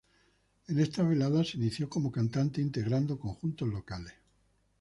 En estas veladas se inició como cantante integrando conjuntos locales.